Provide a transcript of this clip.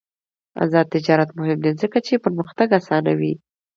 آزاد تجارت مهم دی ځکه چې پرمختګ اسانوي.